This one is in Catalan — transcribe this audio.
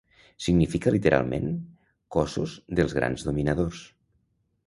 Significa literalment "cossos dels grans dominadors".